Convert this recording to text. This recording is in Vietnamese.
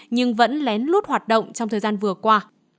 nhưng vẫn lén lút hoạt động trong thời gian vừa qua